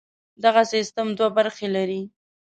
دغه سیستم دوې برخې لري.